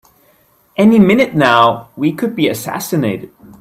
Any minute now we could be assassinated!